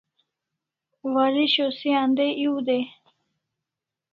Waresho se andai ew dai